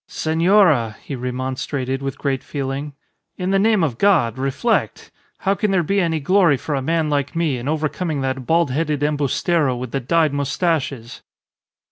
"Senora!" he remonstrated, with great feeling, "in the name of God, reflect! How can there be any glory for a man like me in overcoming that bald headed embustero with the dyed moustaches?"